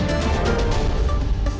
sekarang kita kembali saja